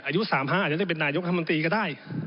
อายุสามห้าจะได้เป็นนายกธรรมดีก็ได้